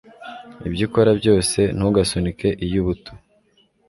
ibyo ukora byose, ntugasunike iyo buto